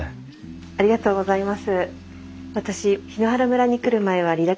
ありがとうございます。